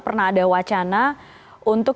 pernah ada wacana untuk